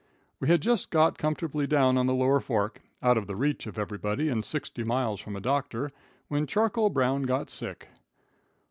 We had just got comfortably down on the Lower Fork, out of the reach of everybody and sixty miles from a doctor, when Charcoal Brown got sick.